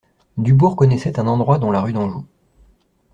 Dubourg connaissait un endroit dans la rue d'Anjou.